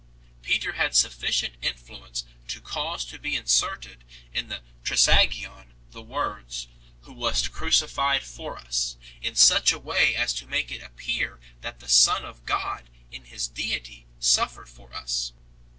Peter had sufficient influence to cause to be inserted in the Trisagion the words "who wast crucified for us" in such a way as to make it appear that bhe Son of God in His deity suffered for us 5